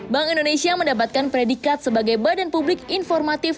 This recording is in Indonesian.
bank indonesia mendapatkan predikat sebagai badan publik informatif